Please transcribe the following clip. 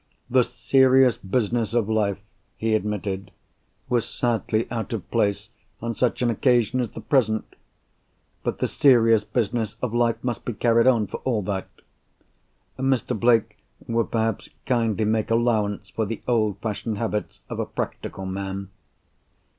"The serious business of life," he admitted, "was sadly out of place on such an occasion as the present. But the serious business of life must be carried on, for all that. Mr. Blake would perhaps kindly make allowance for the old fashioned habits of a practical man.